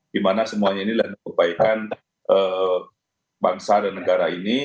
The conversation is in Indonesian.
di mana semuanya ini adalah kebaikan bangsa dan negara ini